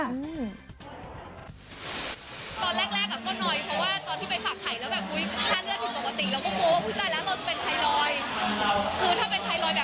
ตอนแรกก็น้อย